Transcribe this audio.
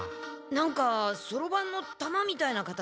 なんかそろばんの玉みたいな形。